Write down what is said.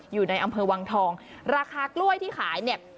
อยู่ในอำเภอวังทองราคากล้วยที่ขายเนี่ย